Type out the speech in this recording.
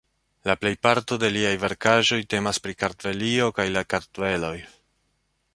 La plejparto de liaj verkaĵoj temas pri Kartvelio kaj la kartveloj.